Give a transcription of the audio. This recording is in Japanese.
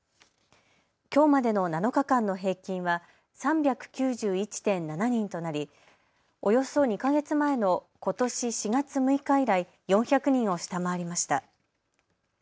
きょうまでの７日間の平均は３９１．７人となりおよそ２か月前のことし４月６日以来、４００人を下回りました。